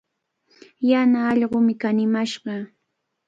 Yana allqumi kanimashqa.